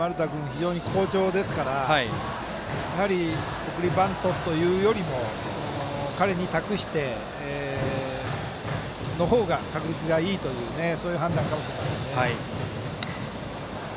非常に好調ですからやはり、送りバントというよりも彼に託しての方が確率がいいというそういう判断かもしれませんね。